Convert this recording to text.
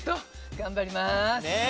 頑張ります。